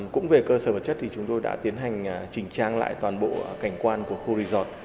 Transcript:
cũng về cơ sở vật chất thì chúng tôi đã tiến hành chỉnh trang lại toàn bộ cảnh quan của khu resort